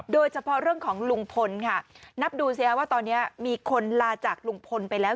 โดยเฉพาะเรื่องของลุงพลค่ะนับดูสิฮะว่าตอนนี้มีคนลาจากลุงพลไปแล้ว